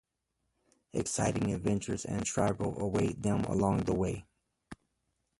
Exciting adventures and trials await them along the way.